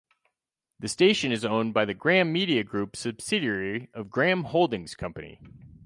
The station is owned by the Graham Media Group subsidiary of Graham Holdings Company.